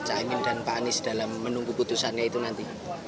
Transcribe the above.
caimin dan pak anies dalam menunggu putusannya itu nanti